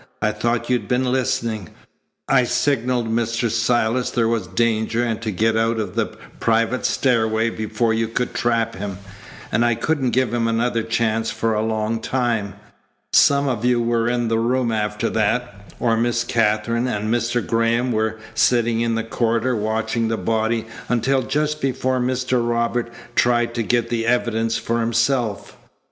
I thought you'd been listening. I signalled Mr. Silas there was danger and to get out of the private stairway before you could trap him. And I couldn't give him another chance for a long time. Some of you were in the room after that, or Miss Katherine and Mr. Graham were sitting in the corridor watching the body until just before Mr. Robert tried to get the evidence for himself.